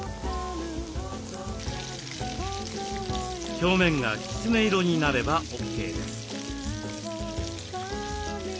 表面がきつね色になればＯＫです。